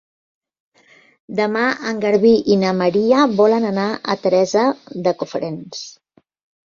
Demà en Garbí i na Maria volen anar a Teresa de Cofrents.